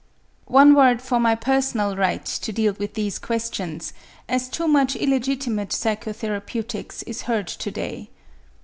One word for my personal right to deal with these questions, as too much illegitimate psychotherapeutics is heard to day.